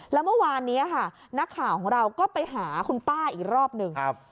แล้วเมื่อวานนี้ค่ะนักข่าวของเราก็ไปหาคุณป้าอีกรอบหนึ่ง